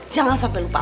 jangan sampai lupa